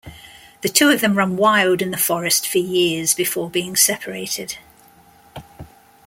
The two of them run wild in the forest for years before being separated.